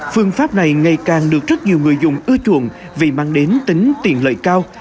phương pháp này ngày càng được rất nhiều người dùng ưa chuộng vì mang đến tính tiền lợi cao